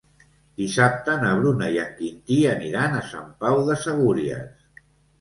Dissabte na Bruna i en Quintí aniran a Sant Pau de Segúries.